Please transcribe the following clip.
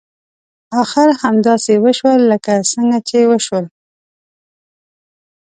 اخر همداسې وشول لکه څنګه چې وشول.